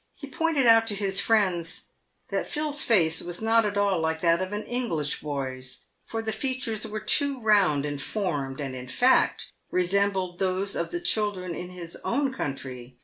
He pointed out to his friends that Phil's face was not at all like that of an Eng / lish boy's, for the features were too round and formed, and in fact re ( sembled those of the children in his own country.